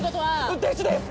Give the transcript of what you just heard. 運転手です！